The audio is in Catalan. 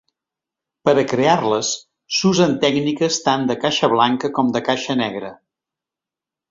Per a crear-les, s'usen tècniques tant de caixa blanca com de caixa negra.